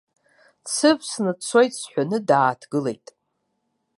Дсывсны дцоит сҳәоны, дааҭгылеит.